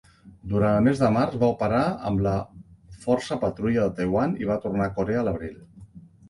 Durant el mes de març va operar amb la Força Patrulla de Taiwan i va tornar a Corea a l'abril.